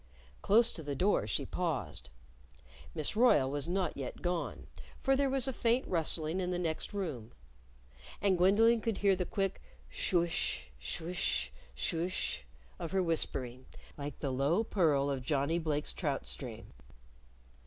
Close to the door she paused. Miss Royle was not yet gone, for there was a faint rustling in the next room. And Gwendolyn could hear the quick shoo ish, shoo ish, shoo ish of her whispering, like the low purl of Johnnie Blake's trout stream.